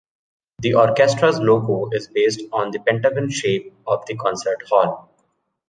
The orchestra's logo is based on the pentagon-shape of the concert hall.